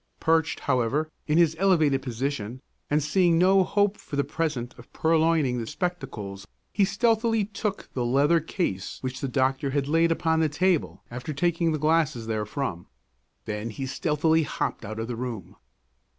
Perched, however, in his elevated position, and seeing no hope for the present of purloining the spectacles, he stealthily took the leather case which the doctor had laid upon the table after taking the glasses therefrom. Then he stealthily hopped out of the room.